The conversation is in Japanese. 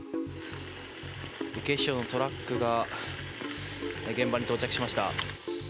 警視庁のトラックが現場に到着しました。